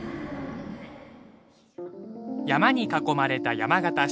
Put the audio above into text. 山に囲まれた山形市。